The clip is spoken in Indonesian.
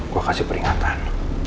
gua kasih peringatan